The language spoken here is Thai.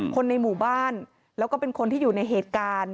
คนในหมู่บ้านแล้วก็เป็นคนที่อยู่ในเหตุการณ์